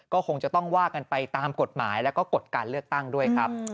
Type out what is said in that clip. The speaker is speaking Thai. ก็คงจะต้องว่ากันไปตามกฎหมายแล้วก็กฎการเลือกตั้งด้วยครับ